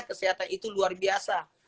kesehatan itu luar biasa